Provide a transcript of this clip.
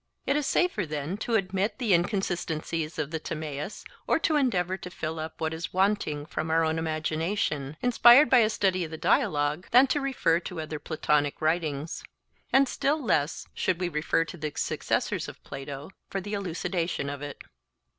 It is safer then to admit the inconsistencies of the Timaeus, or to endeavour to fill up what is wanting from our own imagination, inspired by a study of the dialogue, than to refer to other Platonic writings,—and still less should we refer to the successors of Plato,—for the elucidation of it.